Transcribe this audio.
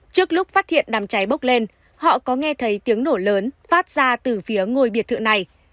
trước lúc phát hiện đàm cháy bốc lên họ có nghe thấy tiếng nổ lớn phát ra từ phía ngôi biệt thự này